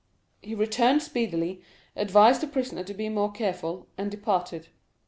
He returned speedily, advised the prisoner to be more careful, and departed.